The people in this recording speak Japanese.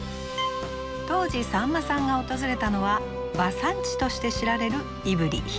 当時さんまさんが訪れたのは馬産地として知られる胆振・日高地方。